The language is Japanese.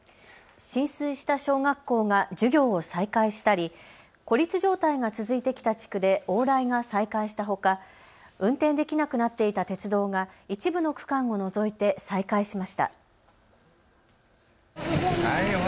浸水した小学校が授業を再開したり孤立状態が続いてきた地区で往来が再開したほか運転できなくなっていた鉄道が一部の区間を除いて再開しました。